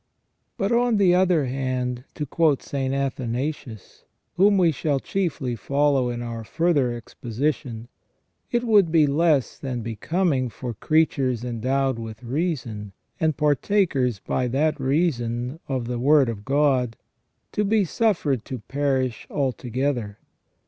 But, on the other hand, to quote St Athanasius, whom we shall chiefly follow in our further exposition, it would be less than becoming for creatures endowed with reason, and partakers by that reason of the Word of God, to be suffered to perish altogether.